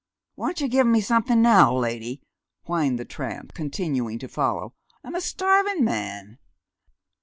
"Won't you gimme somethin' now, lady?" whined the tramp, continuing to follow. "I'm a starvin' man."